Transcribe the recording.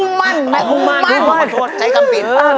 เขามุ่งมั่นขอโทษใจกลับเป็น